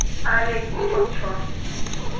আরে, কী করছ।